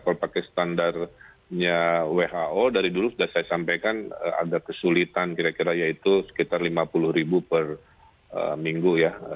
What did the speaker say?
kalau pakai standarnya who dari dulu sudah saya sampaikan agak kesulitan kira kira yaitu sekitar lima puluh ribu per minggu ya